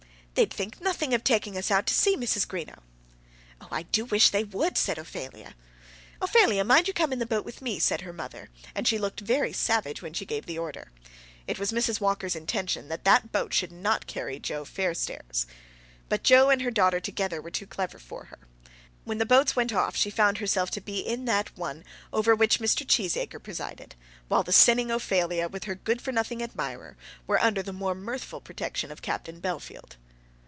They'd think nothing of taking us out to sea, Mrs. Greenow." "Oh, I do wish they would," said Ophelia. "Ophelia, mind you come in the boat with me," said her mother, and she looked very savage when she gave the order. It was Mrs. Walker's intention that that boat should not carry Joe Fairstairs. But Joe and her daughter together were too clever for her. When the boats went off she found herself to be in that one over which Mr. Cheesacre presided, while the sinning Ophelia with her good for nothing admirer were under the more mirthful protection of Captain Bellfield.